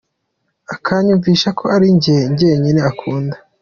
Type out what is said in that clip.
Akanyumvisha ko ari jye jyenyine akunda.